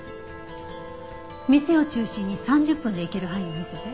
店を中心に３０分で行ける範囲を見せて。